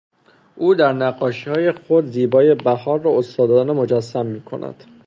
او در نقاشیهای خود زیبایی بهار را استادانه مجسم میکند.